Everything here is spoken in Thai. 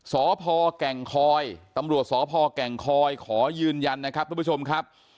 สพแก่งคอยตำรวจสพแก่งคอยขอยืนยันนะครับทุกผู้ชมครับ